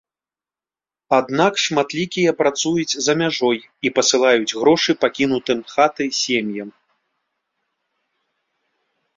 Аднак шматлікія працуюць за мяжой і пасылаюць грошы пакінутым хаты сем'ям.